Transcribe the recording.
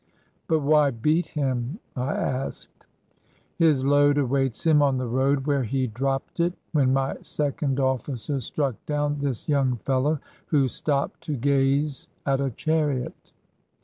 "But why beat him?" I asked. "His load awaits him on the road where he dropped it, when my second officer struck down this young fel low, who stopped to gaze at a chariot!"